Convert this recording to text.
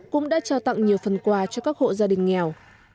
cũng đã trao tặng nhiều phần quà cho các hộ gia đình nghèo